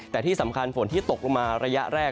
แต่ที่สำคัญฝนที่ตกลงมาระยะแรก